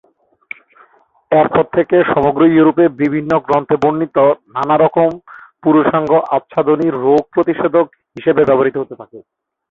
এর পর থেকে সমগ্র ইউরোপে বিভিন্ন গ্রন্থে বর্ণিত নানা রকম পুরুষাঙ্গ-আচ্ছাদনী রোগ প্রতিষেধক হিসেবে ব্যবহৃত হতে থাকে।